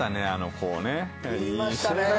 こうね。